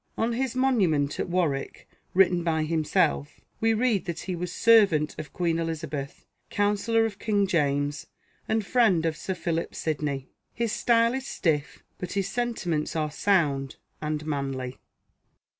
On his monument at Warwick, written by himself, we read that he was servant of Queen Elizabeth, counsellor of King James, and friend of Sir Philip Sidney. His style is stiff, but his sentiments are sound and manly.